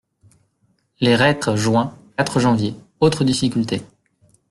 Les reîtres joints (quatre janvier), autre difficulté.